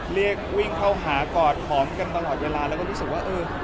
เรียกวิ่งเข้าหากอดหอมกันตลอดเวลาแล้วก็รู้สึกว่าเออ